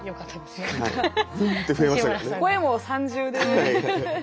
声も３重で。